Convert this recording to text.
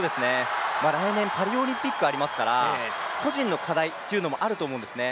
来年、パリオリンピックがありますから、個人の課題というのもあると思うんですね。